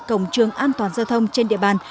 cổng trường an toàn giao thông trên địa bàn